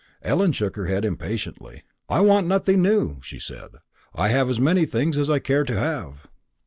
Ellen shook her head impatiently. "I want nothing new," she said; "I have as many things as I care to have."